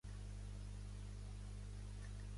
Suposo que és fastigós quan ho deixes.